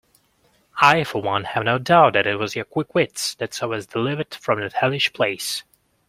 I for one have no doubt that it was your quick wits that saw us delivered from that hellish place.